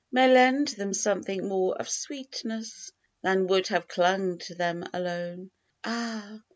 May lend them something more of sweetness Than would have clung to them alone. Ah